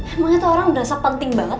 emang itu orang berasa penting banget